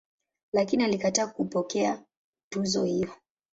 Lakini alikataa kupokea tuzo hiyo.